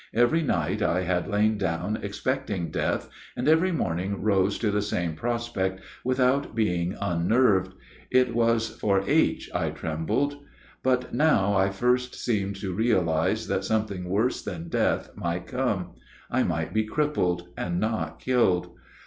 Every night I had lain down expecting death, and every morning rose to the same prospect, without being unnerved. It was for H. I trembled. But now I first seemed to realize that something worse than death might come: I might be crippled, and not killed.